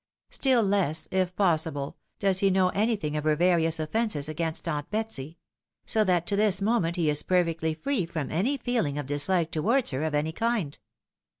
Still less, if possible, does he know anytliing of her various offences against aunt Betsy ; so that to this moment he is perfectly free from any feeling of dislike towards her of any kind.